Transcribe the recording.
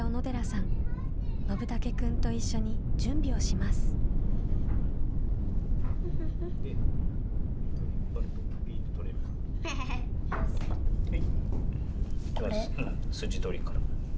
うん筋取りから。